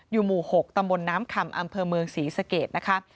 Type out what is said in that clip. หมู่๖ตำบลน้ำคำอำเภอเมืองศรีสเกตนะคะ